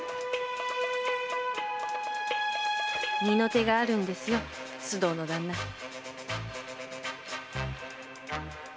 二の手があるんですよ須藤の旦那